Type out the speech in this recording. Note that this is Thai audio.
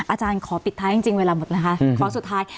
อาจารย์ขอปิดท้ายจริงเวลาหมดนะคะขอสุดท้าย